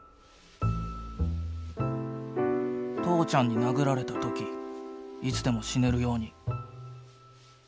「父ちゃんに殴られた時いつでも死ねるように」。